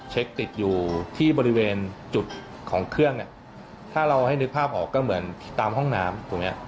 เช็คติดอยู่ที่บริเวณจุดของเครื่องถ้าเราให้นึกภาพออกก็เหมือนตามห้องน้ำตรงนี้